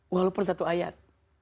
walaupun satu ayat